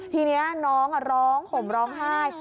ทีนี้น้องร้องห่มร้องไห้